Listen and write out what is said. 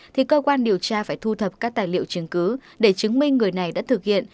thì cơ quan điều tra phải thu thập các tài liệu chứng cứ để chứng minh người này đã thực hiện